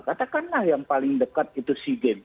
katakanlah yang paling dekat itu sea games